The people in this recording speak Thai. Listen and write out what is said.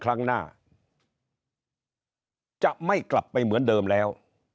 ครั้งหน้าจะไม่กลับไปเหมือนเดิมแล้ว